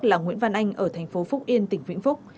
là nguyễn văn anh ở thành phố phúc yên tỉnh vĩnh phúc